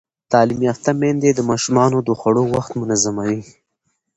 تعلیم یافته میندې د ماشومانو د خوړو وخت منظموي.